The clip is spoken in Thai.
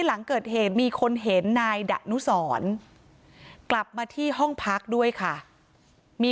หลังเกิดเหตุมีคนเห็นนายดะนุสรกลับมาที่ห้องพักด้วยค่ะมี